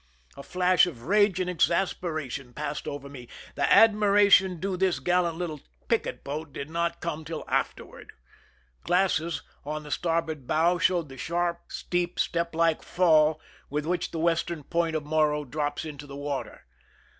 A flash of rage and exasperation passed over me. The ad miration due this gallant little picket boat did not come till afterward. Glasses on the starboard bow showed the sharp, steep, step like fall with which the western point of Morro drops into the water.